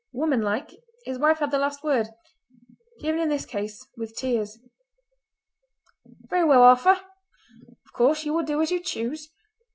Woman like his wife had the last word—given in this case with tears: "Very well, Arthur! Of course you will do as you choose.